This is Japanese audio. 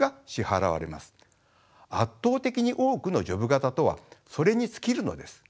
圧倒的に多くのジョブ型とはそれに尽きるのです。